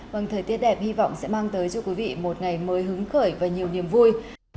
vâng thời tiết đẹp hy vọng sẽ mang tới cho quý vị một ngày mới hứng khởi và nhiều niềm vui